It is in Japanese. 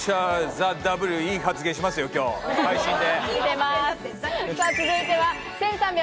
『ＴＨＥＷ』いい発言しますよ、今日配信で。